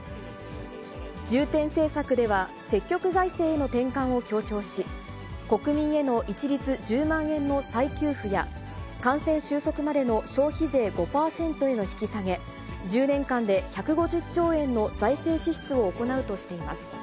重点政策では、積極財政への転換を強調し、国民への一律１０万円の再給付や、感染収束までの消費税５％への引き下げ、１０年間で１５０兆円の財政支出を行うとしています。